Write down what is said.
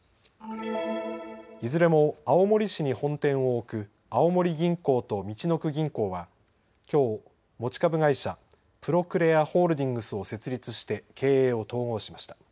いずれも青森市に本店を置く青森銀行とみちのく銀行はきょう持ち株会社、プロクレアホールディングスを設立して経営を統合しました。